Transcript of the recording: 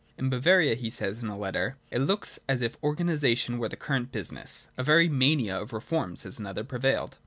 'In Bavaria,' he says in a letter*, ' it looks as if organisation were the current business.' A very mania of reform, says another, prevailed.